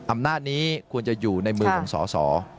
อำนาจนี้ควรจะอยู่ในมือของสอสอ